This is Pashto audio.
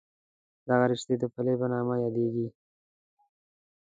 دغه رشتې د پلې په نامه یادېږي.